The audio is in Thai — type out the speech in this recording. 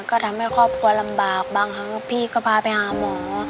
ก็ทำให้ครอบครัวลำบากบางครั้งพี่ก็พาไปหาหมอ